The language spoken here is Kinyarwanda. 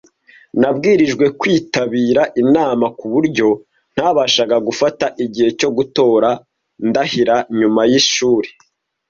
Nabwirijwe kwitabira inama kuburyo ntabashaga gufata igihe cyo gutora Ndahiro nyuma yishuri.